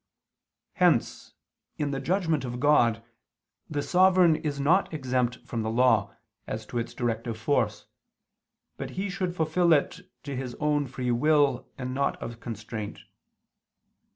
Hence, in the judgment of God, the sovereign is not exempt from the law, as to its directive force; but he should fulfil it to his own free will and not of constraint.